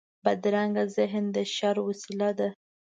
بدرنګه ذهن د شر وسيله ده